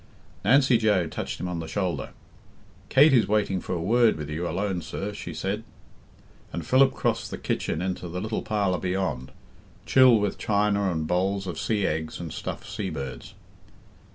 Nancy Joe touched him on the shoulder. "Kate is waiting for a word with you alone, sir," she said, and Philip crossed the kitchen into the little parlour beyond, chill with china and bowls of sea eggs and stuffed sea birds.